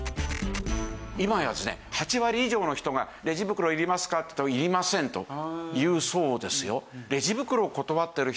今やですね８割以上の人が「レジ袋いりますか？」って聞くと「いりません」と言うそうですよ。